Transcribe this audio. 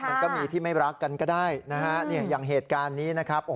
มันก็มีที่ไม่รักกันก็ได้นะฮะอย่างเหตุการณ์นี้นะครับ